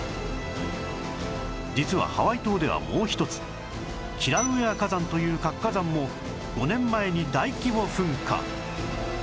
実はハワイ島ではもう一つキラウエア火山という活火山も５年前に大規模噴火